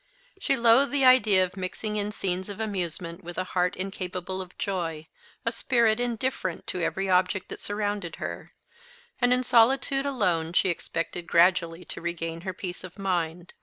She loathed the idea of mixing in scenes of amusement with a heart incapable of joy, a spirit indifferent to every object that surrounded her; and in solitude alone she expected gradually to regain her peace of mind.